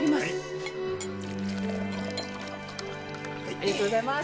ありがとうございます。